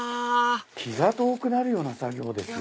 気が遠くなるような作業ですよ。